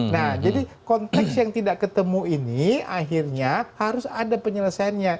nah jadi konteks yang tidak ketemu ini akhirnya harus ada penyelesaiannya